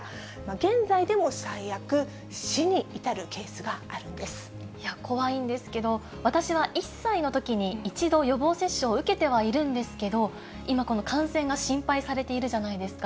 現在でも最悪、怖いんですけど、私は１歳のときに一度予防接種を受けてはいるんですけど、今、この感染が心配されているじゃないですか。